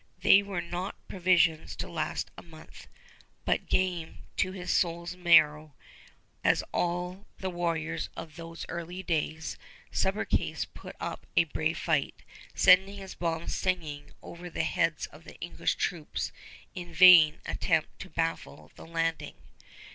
There were not provisions to last a month; but, game to his soul's marrow, as all the warriors of those early days, Subercase put up a brave fight, sending his bombs singing over the heads of the English troops in a vain attempt to baffle the landing.